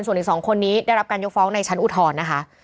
ส่วนอีก๒คนนี้ได้รับการยกฟ้องในชั้นอุทธรณ์นะคะ